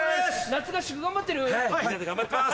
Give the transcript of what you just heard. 夏合宿頑張ってる？